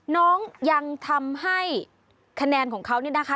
น้องยังทำให้คะแนนของเขานี่นะคะ